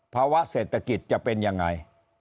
ภาวะเศรษฐกิจจะเป็นยังไง